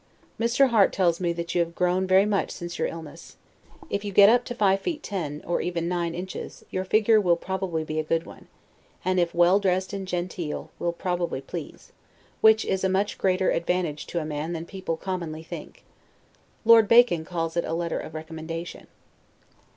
Mr. Harte tells me that you have grown very much since your illness; if you get up to five feet ten, or even nine inches, your figure will probably be a good one; and if well dressed and genteel, will probably please; which is a much greater advantage to a man than people commonly think. Lord Bacon calls it a letter of recommendation.